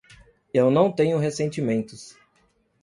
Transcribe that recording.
Eu não tenho ressentimentos.